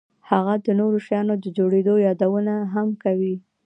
هغه د نورو شیانو د جوړېدو یادونه هم کوي